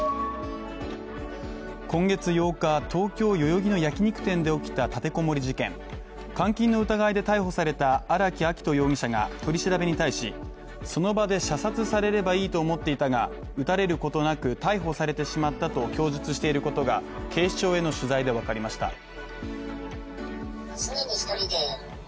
今月８日、東京代々木の焼き肉店で起きた立てこもり事件監禁の疑いで逮捕された荒木秋冬容疑者が取り調べに対し、その場で射殺されればいいと思っていたが、撃たれることなく、逮捕されてしまったと供述していることが警視庁への取材でわかりました。